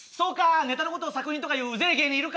ネタのことを作品とかいううぜえ芸人いるか。